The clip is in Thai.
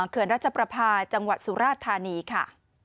เขื่อนรัชประพาจังหวัดสุราธานีค่ะ